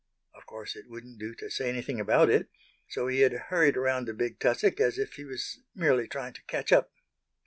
Of course it wouldn't do to say anything about it, so he had hurried around the big tussock as if he was merely trying to catch up.